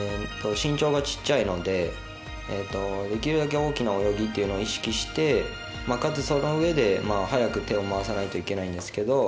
身長がちっちゃいのでできるだけ大きな泳ぎを意識してかつ、そのうえで早く手を回さないといけないんですけど